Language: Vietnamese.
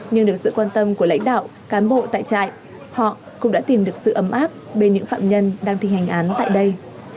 nhưng được sự quan tâm của lãnh đạo cán bộ tại trại họ cũng đã tìm được sự ấm áp bên những phạm nhân đang thi hành án tại đây